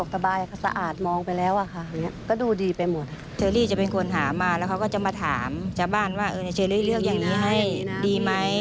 สำหรัสก็สะดวกสบายค่ะสะอาดมองไปแล้วอะค่ะเงี่ยก็ดูดีไปหมดครับ